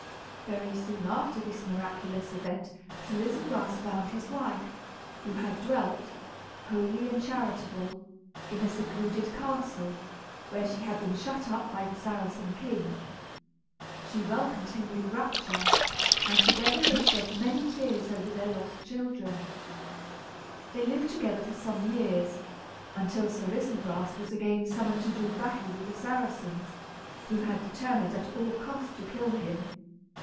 Very soon after this miraculous event Sir Isumbras found his wife, who had dwelt, holy and charitable, in a secluded castle, where she had been shut up by the Saracen king. She welcomed him with rapture, and together they shed many tears over their lost children. They lived together for some years, until Sir Isumbras was again summoned to do battle with the Saracens, who had determined at all cost to kill him.